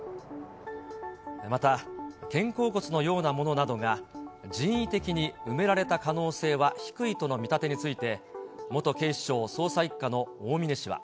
また肩甲骨のようなものなどが人為的に埋められた可能性は低いとの見立てについて、元警視庁捜査１課の大峯氏は。